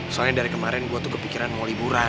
soalnya dari kemarin gue tuh kepikiran mau liburan